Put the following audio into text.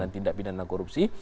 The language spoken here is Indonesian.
tindak pidana korupsi